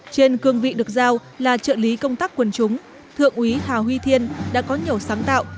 trên cương vị được giao là trợ lý công tác quần chúng thượng úy hà huy thiên đã có nhiều sáng tạo